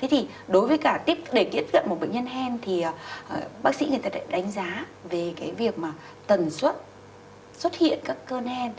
thế thì đối với cả tiết kiệm một bệnh nhân hen thì bác sĩ người ta đánh giá về cái việc mà tần xuất xuất hiện các cơn hen